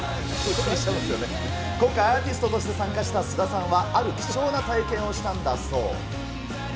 今回、アーティストとして参加した菅田さんはある貴重な体験をしたんだそう。